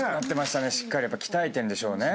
しっかり鍛えてるんでしょうね。